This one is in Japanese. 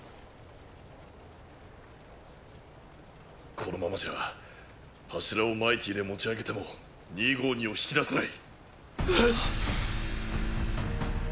このままじゃ柱をマイティで持ち上げても２５２を引き出せない。